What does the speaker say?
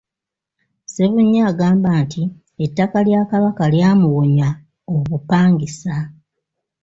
Ssebunya agamba nti ettaka lya Kabaka lyamuwonya obupangisa.